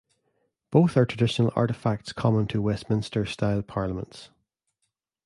Both are traditional artifacts common to Westminster style parliaments.